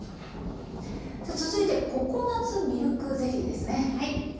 さあ続いてココナツミルクゼリーですね。